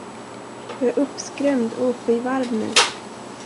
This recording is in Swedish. Jag är uppskrämd och uppe i varv nu.